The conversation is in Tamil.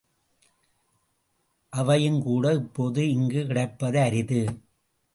அவையும்கூட இப்போது இங்கு கிடைப்பது அரிது.